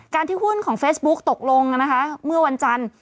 ที่หุ้นของเฟซบุ๊กตกลงนะคะเมื่อวันจันทร์